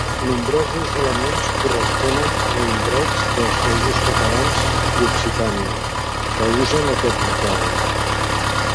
Nombrosos elements corresponen a indrets dels Països Catalans i Occitània que usen aquest vocable.